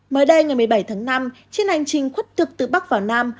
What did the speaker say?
mới đây ngày một mươi bảy tháng năm trên hành trình khuất thực từ bắc vào nam